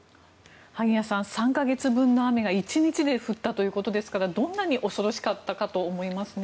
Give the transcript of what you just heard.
萩谷さん３か月分の雨が１日で降ったということですからどんなに恐ろしかったかと思いますね。